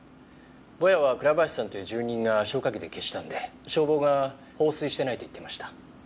ボヤは倉林さんという住人が消火器で消したんで消防が放水してないと言ってました。